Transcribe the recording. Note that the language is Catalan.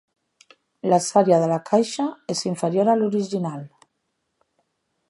L'alçària de la caixa és inferior a l'original.